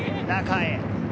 中へ。